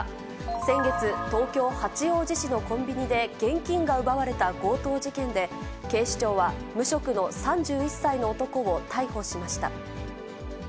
先月、東京・八王子市のコンビニで、現金が奪われた強盗事件で、警視庁は無職の３１歳の男を逮捕しました。